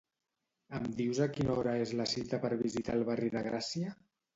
Em dius a quina hora és la cita de visitar el barri de Gràcia?